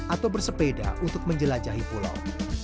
atau bersepeda untuk menjelajahi pulau